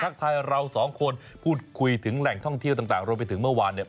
ทายเราสองคนพูดคุยถึงแหล่งท่องเที่ยวต่างรวมไปถึงเมื่อวานเนี่ย